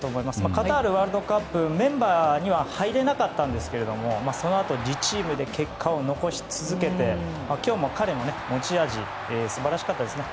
カタールワールドカップのメンバーには入れなかったんですけれどもそのあと自チームで結果を残し続けて今日も彼の持ち味が素晴らしかったですね。